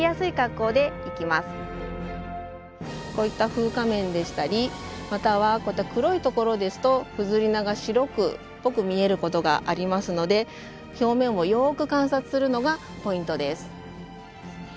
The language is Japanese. こういった風化面でしたりまたはこういった黒い所ですとフズリナが白っぽく見えることがありますので表面をよく観察するのがポイントです。